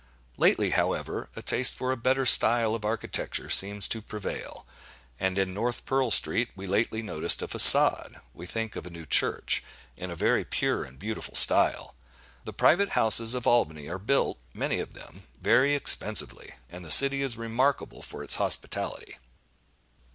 Lately, however, a taste for a better style of architecture seems to prevail; and in North Pearl street we lately noticed a façade (we think, of a new church,) in a very pure and beautiful style. The private houses of Albany are built, many of them, very expensively; and the city is remarkable for its hospitality.